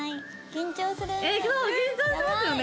緊張しますよね。